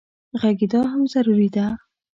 غږېدا هم ضروري ده.